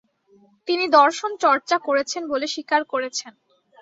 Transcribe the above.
তিনি দর্শন চর্চা করেছেন বলে স্বীকার করেছেন।